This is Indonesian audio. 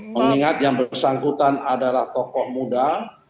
mengingat yang bersangkutan adalah tokoh muda